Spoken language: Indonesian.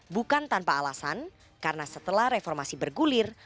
bukan tanpa alasan karena setelah reformasi bergulir